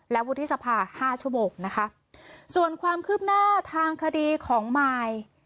และวุฒิสภาห้าชั่วโมงนะคะส่วนความคืบหน้าทางคดีของมาย